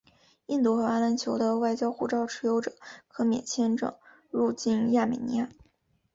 印度和阿联酋的外交护照持有者可免签证入境亚美尼亚。